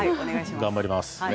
頑張ります。